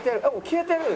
消えてる！」。